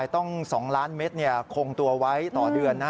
ต้อง๒ล้านเมตรคงตัวไว้ต่อเดือน